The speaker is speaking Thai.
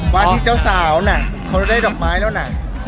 ว่าที่เจ้าสาวน่ะเขาได้ดอกไม้แล้วนะ